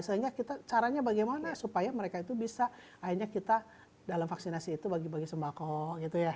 sehingga caranya bagaimana supaya mereka itu bisa akhirnya kita dalam vaksinasi itu bagi bagi sembako gitu ya